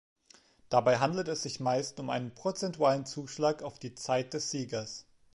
Dabei handelt es sich meist um einen prozentualen Zuschlag auf die Zeit des Siegers.